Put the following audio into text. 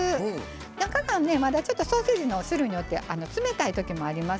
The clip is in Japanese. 中がちょっとソーセージの種類によって冷たいときもあります。